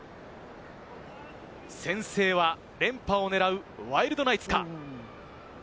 先制は連覇を狙うワイルドナイツか？